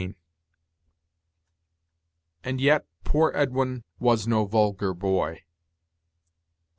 "And yet, poor Edwin was no vulgar boy."